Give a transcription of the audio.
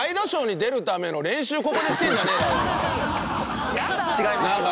違います。